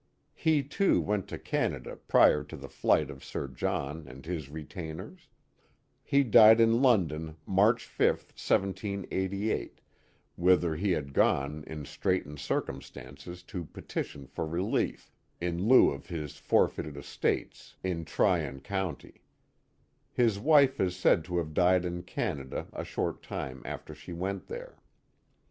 He, too, went to Canada prior to the flight of Sir John and his retainers. He died in London March 5, 1788, whither he had gone in straitened circum stances to petition for relief, in lieu of his forfeited estates in Guy Park and Fort Johnson 141 Tryon County. His wife is said to have died in Canada a short time after she went there.